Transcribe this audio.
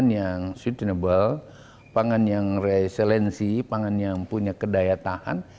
pangan yang sustainable pangan yang reselensi pangan yang punya kedaya tahan